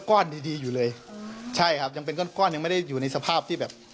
ดีดีอยู่เลยใช่ครับยังเป็นก้อนก้อนยังไม่ได้อยู่ในสภาพที่แบบ